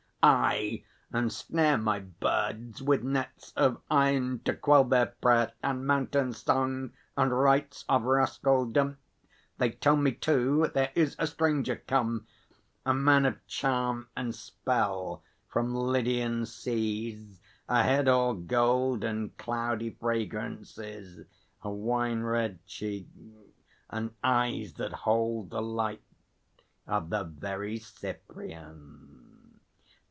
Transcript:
Aye, and snare My birds with nets of iron, to quell their prayer And mountain song and rites of rascaldom! They tell me, too, there is a stranger come, A man of charm and spell, from Lydian seas, A head all gold and cloudy fragrancies, A wine red cheek, and eyes that hold the light Of the very Cyprian.